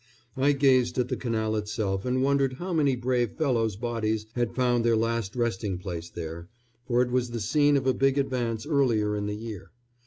I gazed at the canal itself and wondered how many brave fellows' bodies had found their last resting place there, for it was the scene of a big advance earlier in the year.